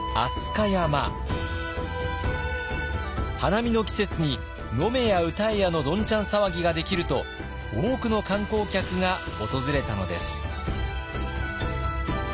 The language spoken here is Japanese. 花見の季節に飲めや歌えやのどんちゃん騒ぎができると多くの観光客が訪れたのです。